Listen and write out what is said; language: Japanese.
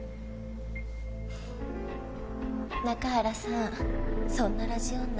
中原さんそんなラジオ女